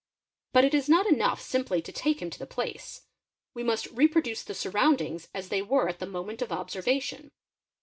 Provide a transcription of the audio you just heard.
But it is not enough simply to take him to the place; we must reproduce the — surroundings as they were at the moment of observation.